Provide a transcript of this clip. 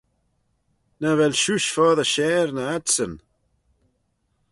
Nagh vel shiuish foddey share na adsyn?